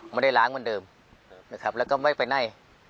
ไม่ได้ล้างเหมือนเดิมนะครับแล้วก็ไม่ไปไหน